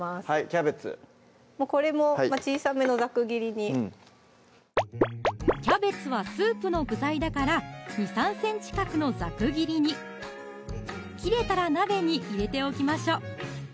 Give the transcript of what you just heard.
キャベツこれも小さめのざく切りにキャベツはスープの具材だから２３ｃｍ角のざく切りに切れたら鍋に入れておきましょ